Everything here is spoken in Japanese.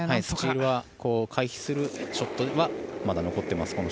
スチールを回避するショットはまだ残っています